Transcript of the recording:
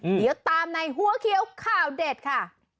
เดี๋ยวตามในหัวเขียวข่าวเด็ดค่ะ